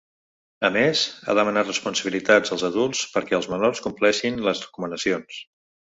A més, ha demanat responsabilitat als adults perquè els menors compleixin les recomanacions.